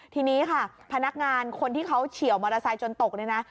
ทีนี้ค่ะพนักงานคนที่เขาเฉียวมอเตอร์ไซค์จนตกเนี่ยนะ